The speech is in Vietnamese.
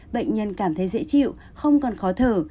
bệnh nhân cảm thấy dễ chịu không còn khó thở